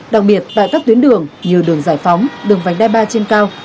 đặc biệt tại các tuyến đường như đường giải phóng đường vành đai ba trên cao